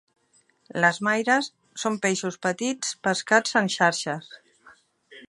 Les maires són peixos petits pescats en xarxes.